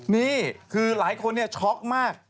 นี่คือหลายคนช็อกมาก